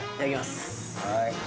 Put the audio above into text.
はい。